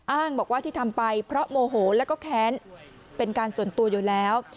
อ้างบอกว่าที่ทำไปเพราะโมโหแล้วก็แค้นเป็นการส่วนตัวอยู่แล้ว